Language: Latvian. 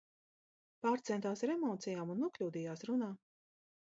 Pārcentās ar emocijām un nokļūdījās runā!